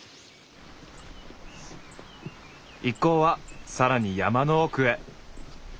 一行はさらに山の奥へ。